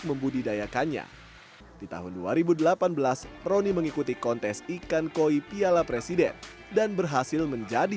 membudidayakannya di tahun dua ribu delapan belas roni mengikuti kontes ikan koi piala presiden dan berhasil menjadi